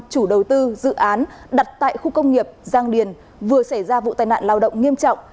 chủ đầu tư dự án đặt tại khu công nghiệp giang điền vừa xảy ra vụ tai nạn lao động nghiêm trọng